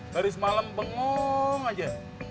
dari semalam bengong aja